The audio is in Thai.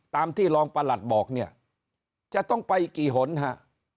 ตามที่รองประหลัดบอกเนี่ยจะต้องไปกี่หนฮะ